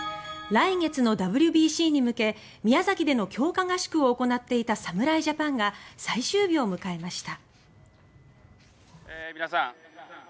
来月のＷＢＣに向け宮崎での強化合宿を行っていた侍ジャパンが最終日を迎えました。